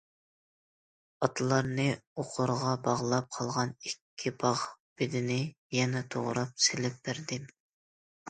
ئاتلارنى ئوقۇرغا باغلاپ، قالغان ئىككى باغ بېدىنى يەنە توغراپ سېلىپ بەردىم.